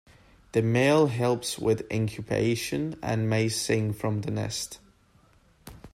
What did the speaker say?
The male helps with incubation and may sing from the nest.